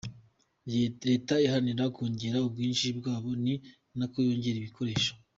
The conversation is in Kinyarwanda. Leta iharanira kongera ubwinshi bwabo, ni nako yongera ibikoresho.